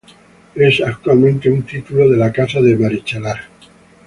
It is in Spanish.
Es actualmente un título de la Casa de Marichalar.